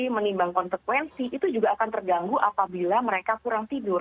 menimbang konsekuensi itu juga akan terganggu apabila mereka kurang tidur